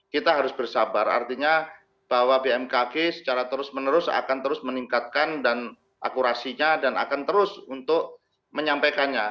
kita harus bersabar artinya bahwa bmkg secara terus menerus akan terus meningkatkan dan akurasinya dan akan terus untuk menyampaikannya